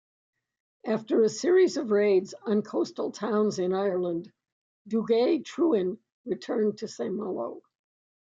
After a series of raids on coastal towns in Ireland, Duguay-Truin returned to Saint-Malo.